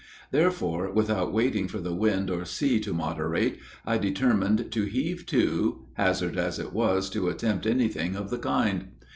Therefore, without waiting for the wind or sea to moderate, I determined to heave to, hazardous as it was to attempt anything of the kind.